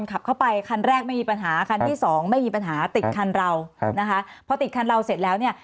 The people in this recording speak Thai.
ขับเข้าไปคันแรกไม่มีปัญหาคันที่สองไม่มีปัญหาติดคันเราครับนะคะพอติดคันเราเสร็จแล้วเนี่ย